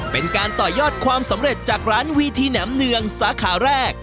เป็นการต่อยอดความสำเร็จจากร้านวีทีแหนมเนืองสาขาแรก